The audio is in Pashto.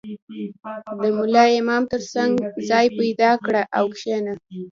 • د ملا امام تر څنګ ځای پیدا کړه او کښېنه.